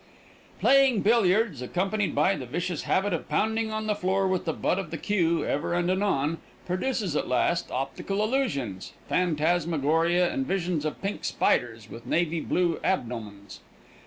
Playing billiards, accompanied by the vicious habit of pounding on the floor with the butt of the cue ever and anon, produces at last optical illusions, phantasmagoria and visions of pink spiders with navy blue abdomens.